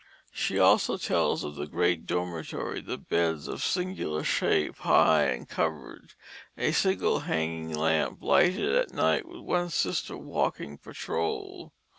She also tells of the great dormitory; the beds of singular shape, high and covered; a single hanging lamp lighted at night, with one sister walking patrol.